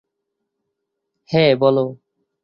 হ্যাঁ, বলো।